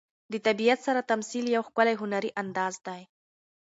د طبیعت سره تمثیل یو ښکلی هنري انداز دی.